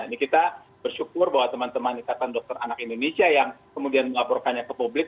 ini kita bersyukur bahwa teman teman ikatan dokter anak indonesia yang kemudian melaporkannya ke publik